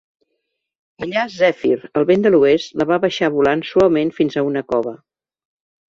Allà Zèfir, el vent de l'oest, la va baixar volant suaument fins a una cova.